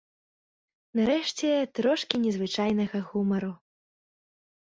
Нарэшце, трошкі незвычайнага гумару.